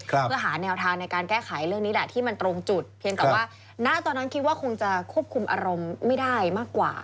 เพื่อหาแนวทางในการแก้ไขเรื่องนี้แหละที่มันตรงจุดเพียงแต่ว่าณตอนนั้นคิดว่าคงจะควบคุมอารมณ์ไม่ได้มากกว่า